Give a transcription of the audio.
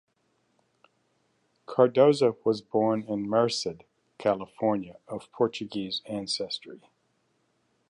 Cardoza was born in Merced, California, of Portuguese ancestry.